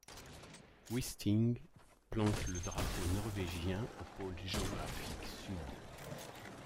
Wisting plante le drapeau norvégien au pôle géographique Sud.